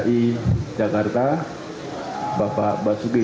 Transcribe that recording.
prasetyo edi marsudi